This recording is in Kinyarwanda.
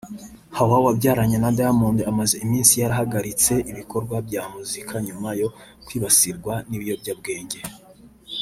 Hawa wabyaranye na Diamond amaze iminsi yarahagaritse ibikorwa bya muzika nyuma yo kwibasirwa n’ibiyobyabwenge